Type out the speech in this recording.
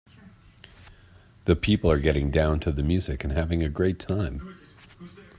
The people are getting down to the music and having a great time.